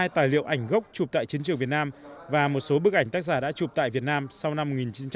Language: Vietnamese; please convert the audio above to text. hai tài liệu ảnh gốc chụp tại chiến trường việt nam và một số bức ảnh tác giả đã chụp tại việt nam sau năm một nghìn chín trăm bảy mươi